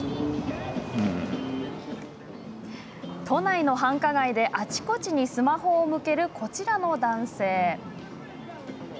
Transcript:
都内の繁華街で、あちこちにスマホを向けるこちらの男性。